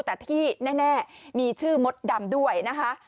แต่ที่แน่มีชื่อมดดำด้วยนะคะ